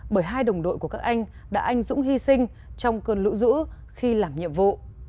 bởi hai đồng đội của các anh đã anh dũng hy sinh trong cơn lũ dữ khi làm nhiệm vụ